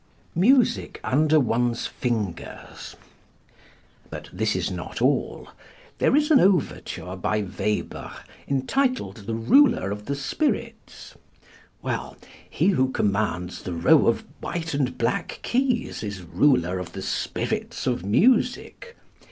Music Under One's Fingers. But this is not all. There is an overture by Weber entitled "The Ruler of the Spirits." Well, he who commands the row of white and black keys is ruler of the spirits of music.